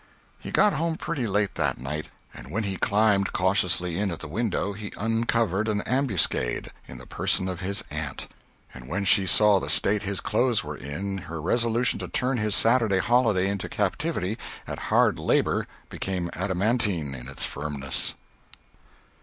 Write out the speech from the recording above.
He got home pretty late that night, and when he climbed cautiously in at the window, he uncovered an ambuscade, in the person of his aunt; and when she saw the state his clothes were in her resolution to turn his Saturday holiday into captivity at hard labor became adamantine in its firmness.